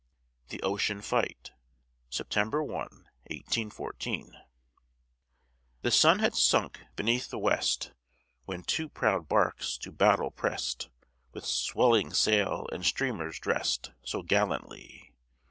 THE OCEAN FIGHT [September 1, 1814] The sun had sunk beneath the west, When two proud barks to battle press'd, With swelling sail and streamers dress'd, So gallantly.